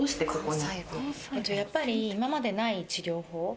やっぱり今までない治療法。